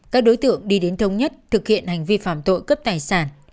các đối tượng đi đến thống nhất thực hiện hành vi phạm tội cướp tài sản